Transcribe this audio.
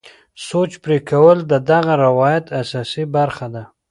سوچ پرې کول د دغه روایت اساسي برخه ده.